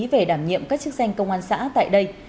về đảm nhiệm các chức danh công an xã tại đây